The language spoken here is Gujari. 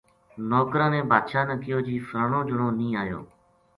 نوکراں نے بادشاہ نا کہیو جی فلانو جنو نیہہ اَیو